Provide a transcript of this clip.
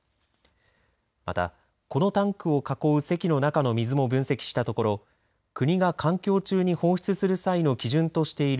また、このタンクを囲うせきの中の水も分析したところ国が環境中に放出する基準としている。